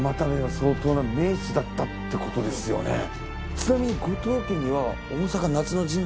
ちなみに。